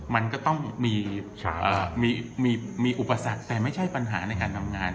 มันก็ต้องมีอุปสรรคแต่ไม่ใช่ปัญหาในการทำงาน